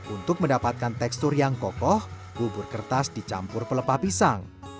untuk mendapatkan tekstur yang kokoh bubur kertas dicampur pelepah pisang